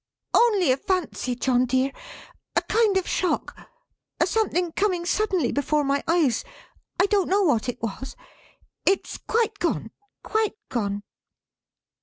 "Only a fancy, John dear a kind of shock a something coming suddenly before my eyes I don't know what it was. It's quite gone; quite gone."